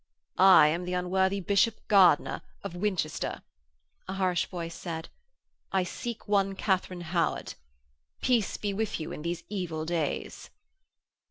'I am the unworthy Bishop Gardiner, of Winchester,' a harsh voice said. 'I seek one Katharine Howard. Peace be with you in these evil days.'